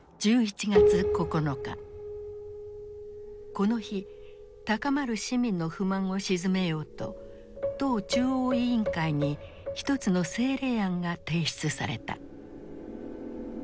この日高まる市民の不満を鎮めようと党中央委員会に一つの政令案が提出された。